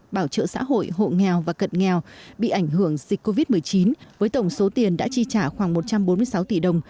bảo trợ xã hội hộ nghèo và cận nghèo bị ảnh hưởng dịch covid một mươi chín với tổng số tiền đã chi trả khoảng một trăm bốn mươi sáu tỷ đồng